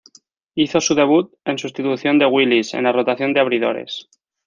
Hizo su debut en sustitución de Willis en la rotación de abridores.